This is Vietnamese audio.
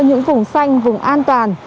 những vùng xanh vùng an toàn